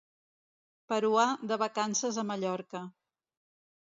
Peruà de vacances a Mallorca.